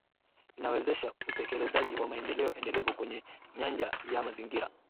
Linawezesha utekelezaji wa maendeleo endelevu kwenye nyanja ya mazingira